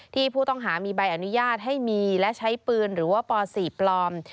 ที่ผู้ต้องหามีใบอนุญาตให้มีและใช้ปืนหรือว่าป๔ปลอม